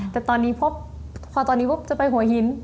แต่ตอนนี้พบพอตอนนี้ปุ๊บจะไปหัวหิน